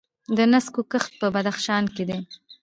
د نسکو کښت په بدخشان کې دی.